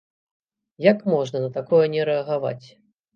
Як можна на такое не рэагаваць?